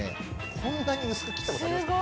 こんなに薄く切ったことありますか？